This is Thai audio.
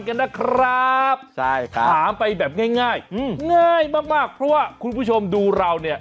กันนะครับใช่ครับถามไปแบบง่ายง่ายมากเพราะว่าคุณผู้ชมดูเราเนี่ย